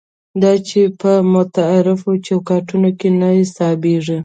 دا چې په متعارفو چوکاټونو کې نه ځایېږي.